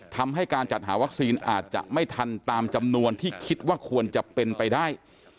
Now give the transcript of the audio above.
ทำให้การจัดหาวัคซีนอาจจะไม่ทันตามจำนวนที่คิดว่าควรจะเป็นไปได้